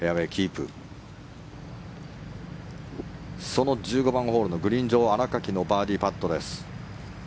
その１５番ホールのグリーン上新垣のバーディーパットです。